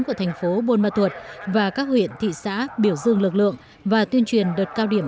của thành phố buôn ma thuột và các huyện thị xã biểu dương lực lượng và tuyên truyền đợt cao điểm